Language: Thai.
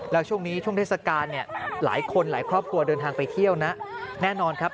แล้วช่วงนี้ช่วงเทศกาลเนี่ยหลายคนหลายครอบครัวเดินทางไปเที่ยวนะแน่นอนครับ